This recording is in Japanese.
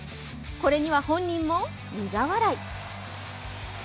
これには本人も苦笑い。